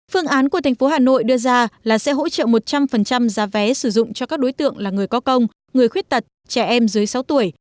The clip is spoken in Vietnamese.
phương án của tp hà nội đưa ra là sẽ hỗ trợ một trăm linh giá vé sử dụng cho các đối tượng là người có công người khuyết tật trẻ em dưới sáu tuổi